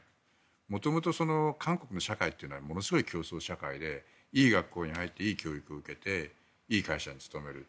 元々、韓国の社会というのはものすごい競争社会でいい学校に入っていい教育を受けていい会社に勤める。